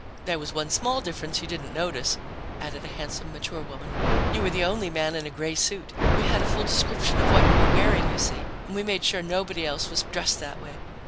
"There was one small difference you didn't notice," added a handsome mature woman. "You were the only man in a gray suit. We had a full description of what you were wearing, you see, and we made sure nobody else was dressed that way.